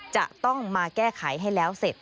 จะต้องมาแก้ไขให้แล้วเสร็จ